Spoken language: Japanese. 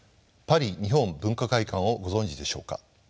パリ日本文化会館をご存じでしょうか？